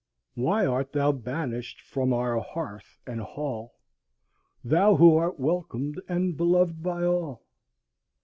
Why art thou banished from our hearth and hall, Thou who art welcomed and beloved by all?